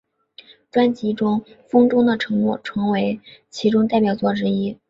专辑中风中的承诺成为其代表作之一。